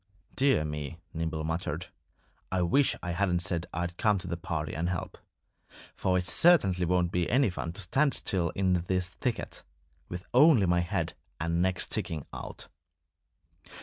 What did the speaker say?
"Dear me!" Nimble muttered. "I wish I hadn't said I'd come to the party and help. For it certainly won't be any fun to stand still in this thicket, with only my head and neck sticking out."